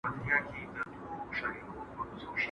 کمپيوټر نتيجه تحليلوي.